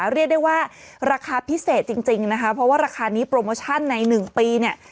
เรียกได้ว่าราคาพิเศษจริงนะคะเพราะว่าราคานี้โปรโมชั่นใน๑ปีเนี่ย